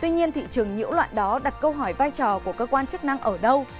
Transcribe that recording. tuy nhiên thị trường nhiễu loạn đó đặt câu hỏi vai trò của cơ quan chức năng ở đâu